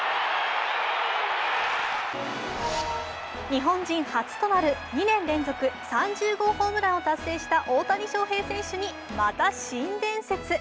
日本人初となる２年連続３０ホームランを達成した大谷翔平選手にまた新伝説。